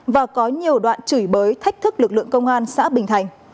và có nhiều đoạn chửi bới thách thức lực lượng công an xã bình thành